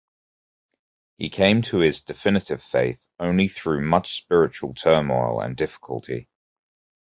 He came to his definitive faith only through much spiritual turmoil and difficulty.